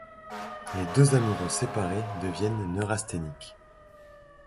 Les deux amoureux séparés deviennent neurasthéniques.